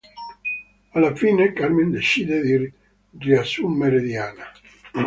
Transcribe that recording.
Alla fine Carmen decide di riassumere Diana.